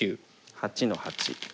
８の八。